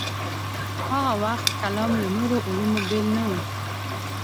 هاغه وخت کلام له نورو علومو بېل نه و.